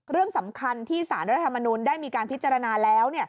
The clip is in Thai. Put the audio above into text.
เรื่องสำคัญที่สารรัฐธรรมนุนได้มีการพิจารณาแล้ว